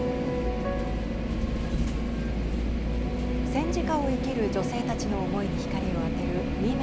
戦時下を生きる女性たちの思いに光を当てるＷｏｍｅｎ＠ｗａｒ。